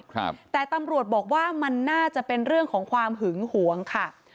ครับแต่ตำรวจบอกว่ามันน่าจะเป็นเรื่องของความหึงหวงค่ะ